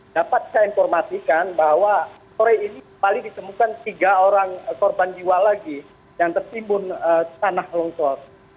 dapat saya informasikan bahwa sore ini paling ditemukan tiga orang korban jiwa lagi yang tertimbun tanah longsor